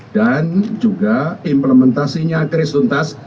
dan juga implementasinya kris tuntas